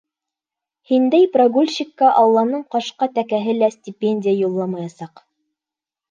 Һиндәй прогульщикка Алланың ҡашҡа тәкәһе лә стипендия юлламаясаҡ!